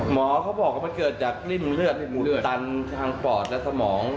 หมอเขาบอกว่ามันเกิดจากริ่มเลือดตันทางปอดและสมอง